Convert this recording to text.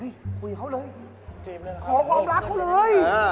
พี่ชอบเอาสิคุยกับเขาเลยขอความรักกับเขาเลย